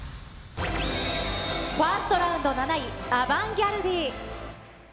ファーストラウンド７位、アバンギャルディ。